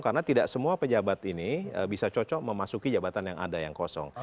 karena tidak semua pejabat ini bisa cocok memasuki jabatan yang ada yang kosong